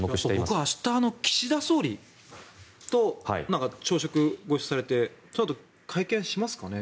僕は明日の岸田総理と朝食、ご一緒されてそのあと、会見しますかね